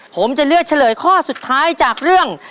ผมจะเลือกเฉลยข้อสุดท้ายจากเรื่อง